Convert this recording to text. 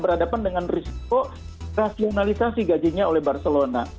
berhadapan dengan risiko rasionalisasi gajinya oleh barcelona